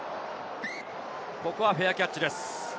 ここはフェアキャッチです。